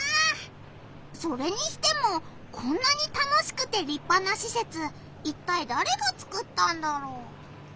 それにしてもこんなに楽しくてりっぱなしせついったいだれがつくったんだろう？